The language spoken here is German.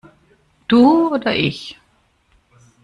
Du oder ich?